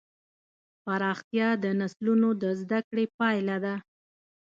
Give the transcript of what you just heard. پراختیا د نسلونو د زدهکړې پایله ده.